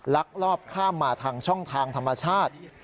ลักลอบข้ามมาทางช่องทางธรรมชาติ